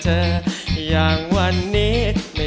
ขอบคุณครับ